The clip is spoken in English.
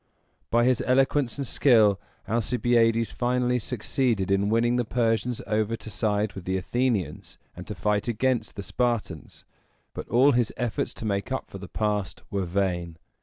By his eloquence and skill, Alcibiades finally succeeded in winning the Persians over to side with the Athenians, and to fight against the Spartans; but all his efforts to make up for the past were vain.